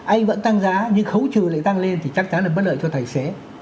anh vẫn tăng giá nhưng khấu trừ lại tăng lên thì chắc chắn là bất lợi cho tài xế